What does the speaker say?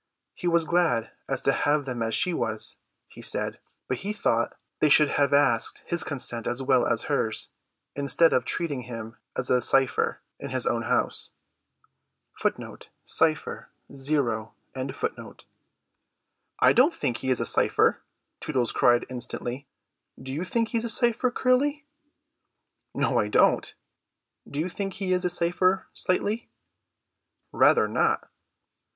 He was as glad to have them as she was, he said, but he thought they should have asked his consent as well as hers, instead of treating him as a cypher in his own house. "I don't think he is a cypher," Tootles cried instantly. "Do you think he is a cypher, Curly?" "No, I don't. Do you think he is a cypher, Slightly?" "Rather not.